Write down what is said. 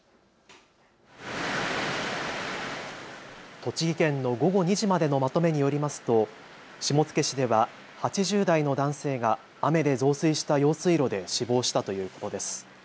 栃木県の午後２時までのまとめによりますと下野市では８０代の男性が雨で増水した用水路で死亡したということです。